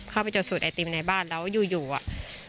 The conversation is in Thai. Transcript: เข้าไปจดสูตรไอติมในบ้านแล้วอยู่อ่ะ